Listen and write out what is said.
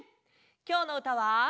きょうのうたは。